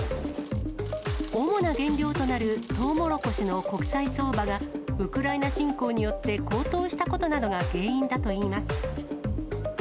主な原料となるトウモロコシの国際相場がウクライナ侵攻によって高騰したことなどが原因だといいます。